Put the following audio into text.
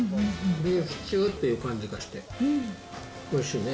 ビーフシチューっていう感じがして、おいしいね。